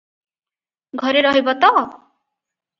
ଘରେ ରହିବ ତ?